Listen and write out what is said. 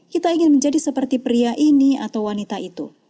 kita ingin menjadi seperti pria ini atau wanita itu